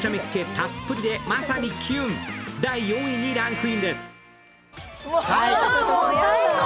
たっぷりでまさにキュン、第４位にランクインです。